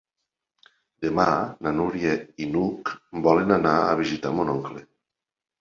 Demà na Núria i n'Hug volen anar a visitar mon oncle.